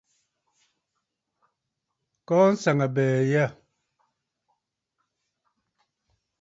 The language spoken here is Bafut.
Kɔɔ nsaŋabɛ̀ɛ yâ.